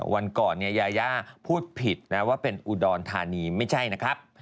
วันก่อนเนี่ยยายาพูดผิดนะว่าเป็นอุดรธานีไม่ใช่นะครับ